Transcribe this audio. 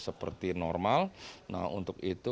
seperti normal nah untuk itu